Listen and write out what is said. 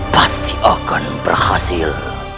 pasti akan berhasil